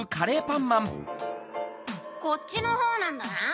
こっちのほうなんだな。